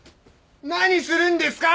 何するんですか！